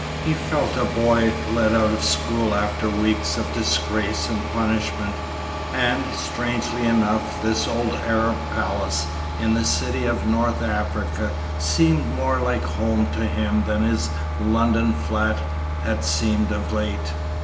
He felt a boy let out of school after weeks of disgrace and punishment, and, strangely enough, this old Arab palace, in a city of North Africa seemed more like home to him than his London flat had seemed of late.